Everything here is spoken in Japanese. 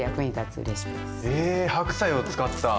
え白菜を使った？